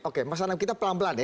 oke mas anam kita pelan pelan ya